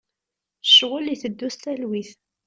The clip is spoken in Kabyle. Ccɣel iteddu s talwit.